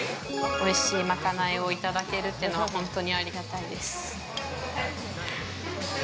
おいしい賄いをいただけるっていうのは本当にありがたいです。